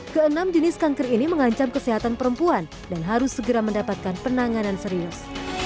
keenam jenis kanker ini mengancam kesehatan perempuan dan harus segera mendapatkan penanganan serius